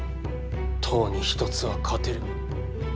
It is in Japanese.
十に一つは勝てる。